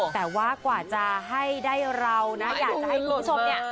แต่ว่ากว่าจะให้ได้เรานะอยากจะให้คุณผู้ชมเนี่ย